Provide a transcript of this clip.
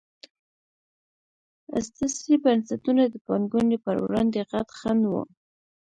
استثري بنسټونه د پانګونې پر وړاندې غټ خنډ وو.